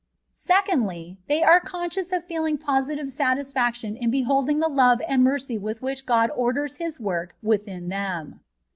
Secondly, they are conscious of feeling positive satisfaction in beholding the love and mercy with which God orders His work within them.